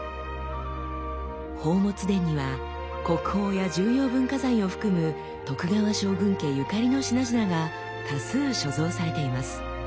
宝物殿には国宝や重要文化財を含む徳川将軍家ゆかりの品々が多数所蔵されています。